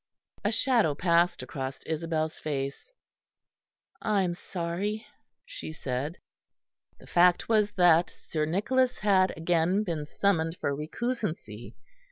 A shadow passed across Isabel's face. "I am sorry," she said. The fact was that Sir Nicholas had again been summoned for recusancy.